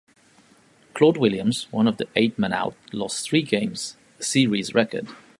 Claude Williams, one of the "Eight Men Out", lost three games, a Series record.